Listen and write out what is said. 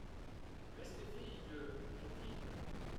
Rester fille, Dieu ! quelle vie !